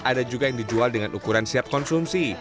ada juga yang dijual dengan ukuran siap konsumsi